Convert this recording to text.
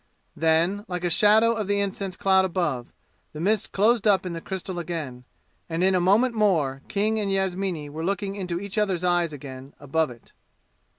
Then, like a shadow of the incense cloud above, the mist closed up in the crystal again, and in a moment more King and Yasmini were looking into each other's eyes again above it.